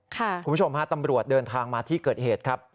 คุณผู้ชมฮะตำรวจเดินทางมาที่เกิดเหตุครับ